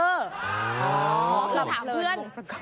เราถามเพื่อน